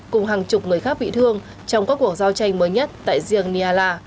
cùng hàng chục người khác bị thương trong các cuộc giao tranh mới nhất tại riêng niala